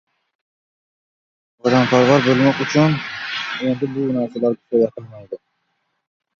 vatanparvar bo‘lmoq uchun endi bu narsalar kifoya qilmaydi.